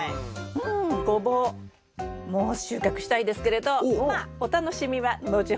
うんゴボウもう収穫したいですけれどまあお楽しみは後ほど。